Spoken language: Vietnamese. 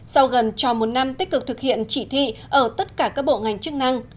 sau gần trò một năm tích cực thực hiện chỉ thị ở tất cả các bộ ngành chức năng